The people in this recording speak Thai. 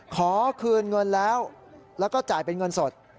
ขอคืนเงินแล้วแล้วก็จ่ายเป็นเงินสด